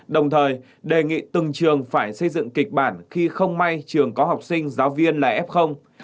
đồng thời đề nghị từng trường phải xây dựng kịch bản khi không may trường có học sinh giáo viên là f